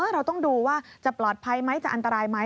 เราต้องดูว่าจะปลอดภัยไหมจะอันตรายไหม